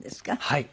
はい。